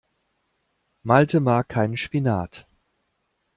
Malte mag keinen Spinat.